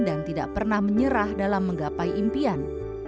dan tidak pernah menyerah dalam menggapai impian